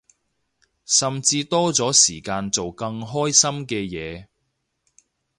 甚至多咗時間做更開心嘅嘢